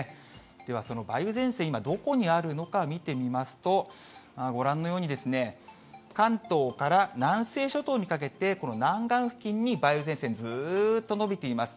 では、その梅雨前線、今、どこにあるのか見てみますと、ご覧のように、関東から南西諸島にかけてこの南岸付近に梅雨前線、ずーっと延びています。